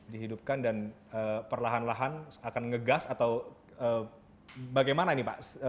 dihidupkan dan perlahan lahan akan ngegas atau bagaimana ini pak